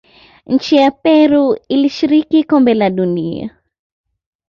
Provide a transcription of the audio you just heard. nchi ya peru ilishiriki kombe la dunia